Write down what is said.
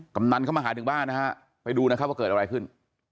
กำนันเข้ามาหาถึงบ้านนะฮะไปดูนะครับว่าเกิดอะไรขึ้น